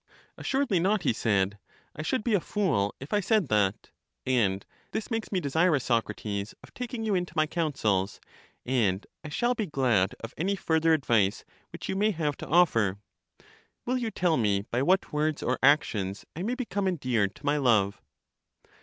Assuredly not, he said : I should be a fool if I said that ; and this makes me desirous, Socrates, of taking you into my counsels, and I shall be glad of any fur ther advice which you may have to offer. Will you tell me by what words or actions I may become en deared to my love?